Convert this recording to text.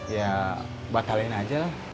ya batalin aja lah